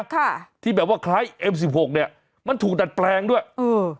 ค่ะที่แบบว่าคล้ายเอ็มสิบหกเนี้ยมันถูกดัดแปลงด้วยเออ